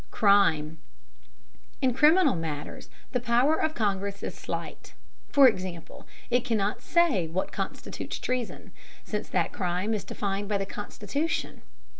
Crime. In criminal matters the power of Congress is slight. For example, it cannot say what constitutes treason, since that crime is defined by the Constitution.